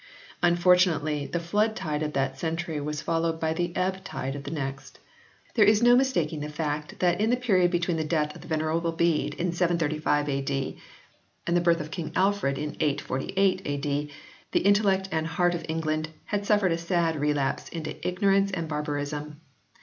Unfortunately the flood tide of that century was followed by the ebb tide of the next. There is no mistaking the fact that in the period between the death of the Venerable Bede in 735 A.D. and the birth of King Alfred in 848 A.D. the intellect and heart of England had suffered a sad relapse into ignorance and barbarism.